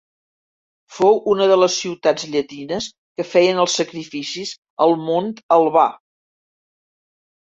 Fou una de les ciutats llatines que feien els sacrificis al Mont Albà.